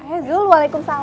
eh zul waalaikumsalam